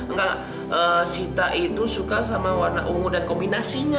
enggak sita itu suka sama warna ungu dan kombinasinya